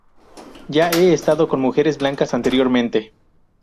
Ya he estado con mujeres blancas anteriormente"".